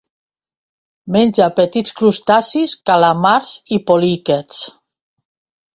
Menja petits crustacis, calamars i poliquets.